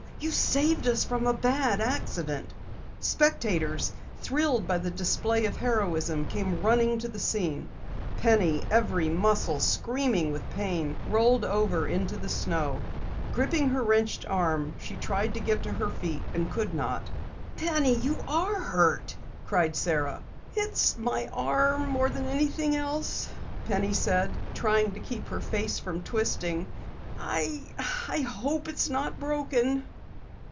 You saved us from a bad accident." Spectators, thrilled by the display of heroism, came running to the scene. Penny, every muscle screaming with pain, rolled over in the snow. Gripping her wrenched arm, she tried to get to her feet and could not. "Penny, you are hurt!" cried Sara. "It's my arm, more than anything else," Penny said, trying to keep her face from twisting. "I I hope it's not broken."